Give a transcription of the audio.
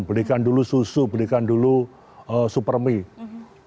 belikan dulu susu belikan dulu super mie